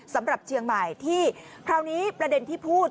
สำหรับเชียงใหม่ที่คราวนี้ประเด็นที่พูด